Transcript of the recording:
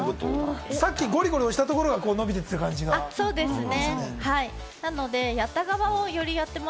さっきゴリゴリをしたところが伸びてる感じがしますね。